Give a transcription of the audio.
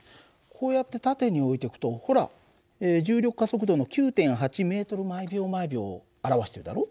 こうやって縦に置いておくとほら重力加速度の９．８ｍ／ｓを表してるだろ？